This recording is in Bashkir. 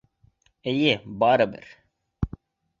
Эй, барыбер!